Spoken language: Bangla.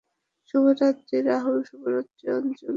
শুভ রাত্রি রাহুল শুভরাত্রি আঞ্জলি।